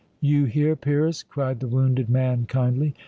"You here, Pyrrhus?" cried the wounded man kindly.